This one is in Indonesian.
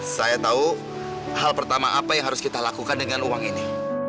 saya tahu hal pertama apa yang harus kita lakukan dengan uang ini